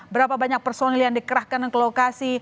berapa banyak personil yang dikerahkan ke lokasi